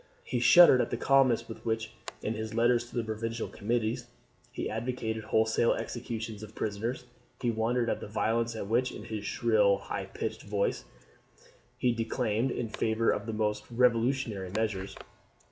He shuddered at the calmness with which, in his letters to the provincial committees, he advocated wholesale executions of prisoners. He wondered at the violence with which, in his shrill, high pitched voice, he declaimed in favour of the most revolutionary measures.